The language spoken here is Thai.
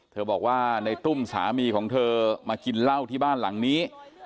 บอกว่าในตุ้มสามีของเธอมากินเหล้าที่บ้านหลังนี้